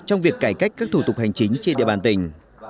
trong việc cải cách các thủ tục hành chính trên địa bàn tỉnh